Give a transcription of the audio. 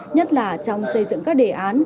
nhất là trong xây dựng các đề án